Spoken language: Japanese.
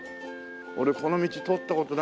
俺この道通った事ないんだよ。